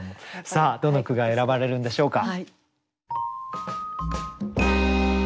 さあどの句が選ばれるんでしょうか。